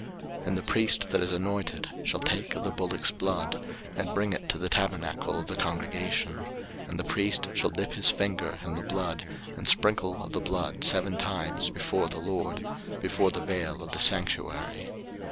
03:004:005 And the priest that is anointed shall take of the bullock's blood, and bring it to the tabernacle of the congregation: 03:004:006 And the priest shall dip his finger in the blood, and sprinkle of the blood seven times before the LORD, before the vail of the sanctuary.